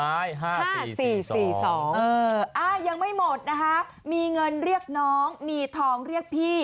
ยังไม่หมดนะคะมีเงินเรียกน้องมีทองเรียกพี่